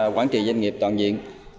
quản trị doanh nghiệp toàn diện